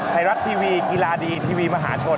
ไทยรัฐทีวีกีฬาดีทีวีมหาชน